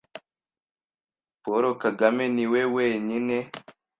Paul Kagame ni we wenyine